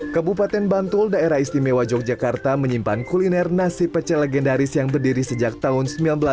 kabupaten bantul daerah istimewa yogyakarta menyimpan kuliner nasi pecel legendaris yang berdiri sejak tahun seribu sembilan ratus sembilan puluh